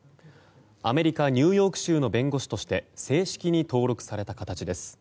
アメリカ・ニューヨーク州の弁護士として正式に登録された形です。